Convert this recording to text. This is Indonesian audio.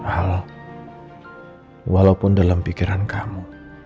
halal walaupun dalam pikiran kamu